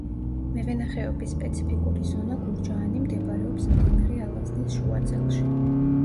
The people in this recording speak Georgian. მევენახეობის სპეციფიკური ზონა გურჯაანი მდებარეობს მდინარე ალაზნის შუა წელში.